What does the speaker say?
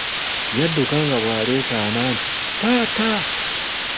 Yadduka nga bw'aleekaana nti, taata!